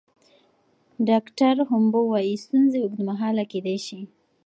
ډاکټره هومبو وايي ستونزې اوږدمهاله کیدی شي.